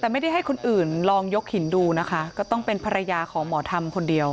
แต่ไม่ได้ให้คนอื่นลองยกหินดูนะคะก็ต้องเป็นภรรยาของหมอธรรมคนเดียว